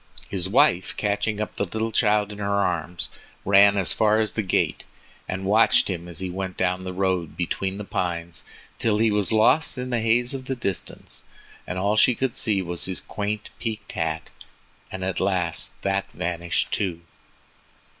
His wife, catching up the child in her arms, ran as far as the gate, and watched him as he went down the road between the pines till he was lost in the haze of the distance and all she could see was his quaint peaked hat, and at last that vanished too.